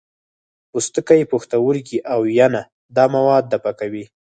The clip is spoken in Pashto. پوستکی، پښتورګي او ینه دا مواد دفع کوي.